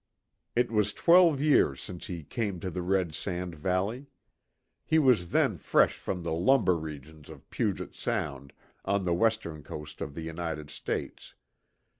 It was twelve years since he came to the Red Sand Valley. He was then fresh from the lumber regions of Puget Sound, on the western coast of the United States.